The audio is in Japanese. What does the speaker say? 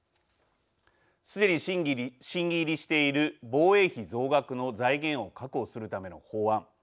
すでに審議入りしている防衛費増額の財源を確保するための法案。